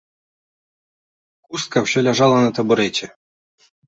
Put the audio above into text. Хустка ўсё ляжала на табурэце.